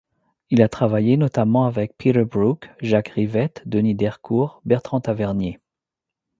Il a travaillé notamment avec Peter Brook, Jacques Rivette, Denis Dercourt, Bertrand Tavernier...